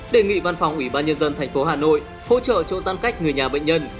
đề nghị văn phòng ủy ban nhân dân tp hà nội hỗ trợ chỗ giãn cách người nhà bệnh nhân